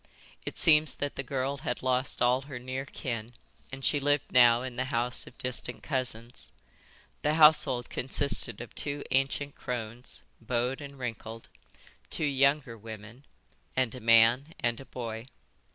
It seems that the girl had lost all her near kin and she lived now in the house of distant cousins. The household consisted of two ancient crones, bowed and wrinkled, two younger women, and a man and a boy.